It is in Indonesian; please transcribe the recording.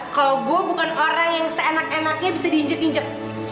kalau gue bukan orang yang seenak enaknya bisa diinjek injek